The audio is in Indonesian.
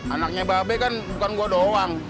anaknya babe kan bukan gue doang